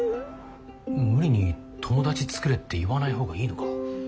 無理に「友達作れ」って言わない方がいいのか。